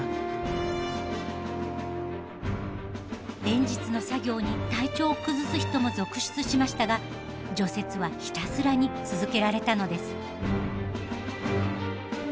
連日の作業に体調を崩す人も続出しましたが除雪はひたすらに続けられたのです。